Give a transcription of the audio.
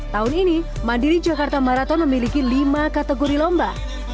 tahun ini mandiri jakarta marathon memiliki lima kategori lomba